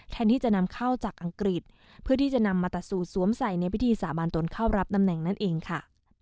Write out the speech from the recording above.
แทนที่จะนำเข้าจากอังกฤษเพื่อที่จะนำมาตัดสูตรสวมใส่ในพิธีสาบานตนเข้ารับตำแหน่งนั่นเองค่ะ